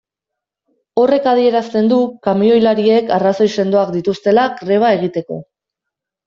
Horrek adierazten du kamioilariek arrazoi sendoak dituztela greba egiteko.